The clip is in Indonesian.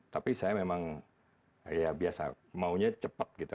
tapi saya memang ya biasa maunya cepat gitu